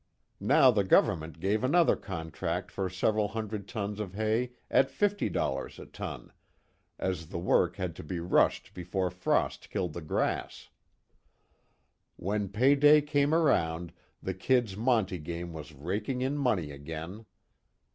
Now the Government gave another contract for several hundred tons of hay at $50 a ton as the work had to be rushed before frost killed the grass. When pay day came around the "Kid's" monte game was raking in money again.